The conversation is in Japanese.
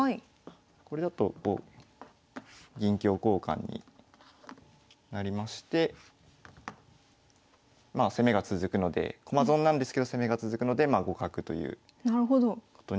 これだと銀香交換になりましてまあ攻めが続くので駒損なんですけど攻めが続くのでまあ互角ということになります。